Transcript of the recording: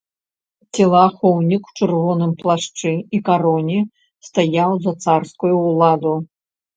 Целаахоўнік у чырвоным плашчы і кароне стаяў за царскую ўладу.